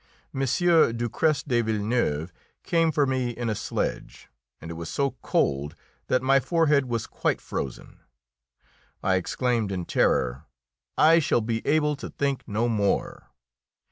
M. Ducrest de Villeneuve came for me in a sledge, and it was so cold that my forehead was quite frozen. I exclaimed in terror, "I shall be able to think no more!"